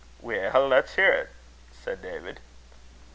"Weel, lat's hear't," said David.